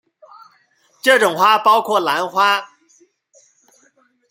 这种花包括兰花。